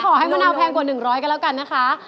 มะนาวแพงกว่า๑๐๐กันแล้วกันนะคะ